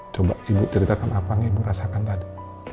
coba ibu ceritakan apa yang ibu rasakan tadi